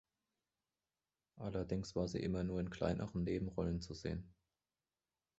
Allerdings war sie immer nur in kleineren Nebenrollen zu sehen.